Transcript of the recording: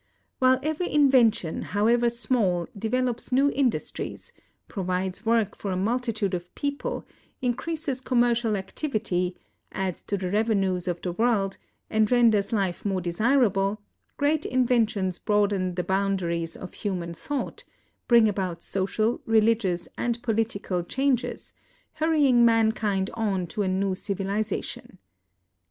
While every invention, however small, develops new indus tries, provides work for a multitude of people, increases com mercial activity, adds to the revenues of the world, and renders life more desirable, great inventions broaden the boundaries of human thought, bring about social, religious, and political changes, hurrying mankind on to a new civilization.